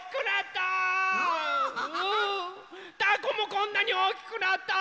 たこもこんなにおおきくなった！